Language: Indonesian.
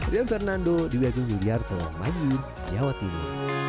rian fernando di wg mulyarto madiun jawa timur